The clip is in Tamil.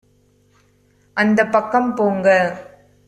அந்தப் பக்கம் போங்க